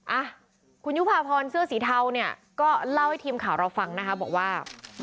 อ่ะคุณยุภาพรเสื้อสีเทาเนี่ยก็เล่าให้ทีมข่าวเราฟังนะคะบอกว่า